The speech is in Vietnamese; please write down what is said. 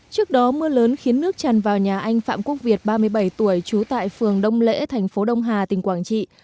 trước đó mưa lớn khiến nước tràn vào nhà anh phạm quốc việt ba mươi bảy tuổi trú tại phường đông lễ thành phố đông hà tỉnh quảng trị